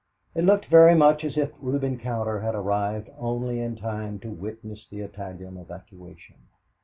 It looked very much as if Reuben Cowder had arrived only in time to witness the Italian evacuation.